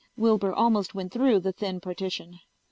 Wilbur almost went through the thin partition.